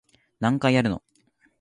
何回やるの